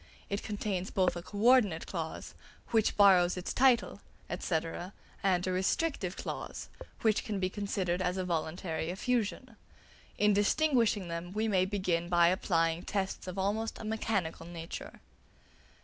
It contains both a co ordinate clause, "Which borrows its title," &c., and a restrictive clause, "Which can be considered as a voluntary effusion." In distinguishing them we may begin by applying tests of almost a mechanical nature.